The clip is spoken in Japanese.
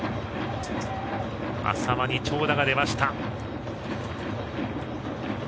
淺間に長打が出ました。